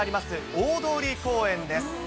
大通公園です。